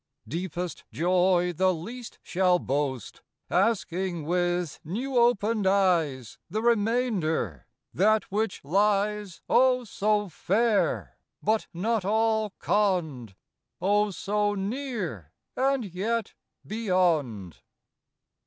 Deepest joy the least shall boast, Asking with new opened eyes The remainder : that which lies O, so fair! but not all conned — O, so near! and yet beyond.